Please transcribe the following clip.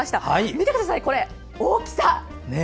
見てください、大きさ。